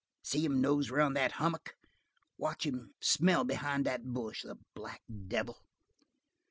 See him nose around that hummock? Watch him smell behind that bush. The black devil!"